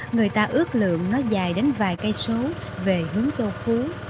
người ta ước lượng nó dài đến vài cây số về hướng châu phú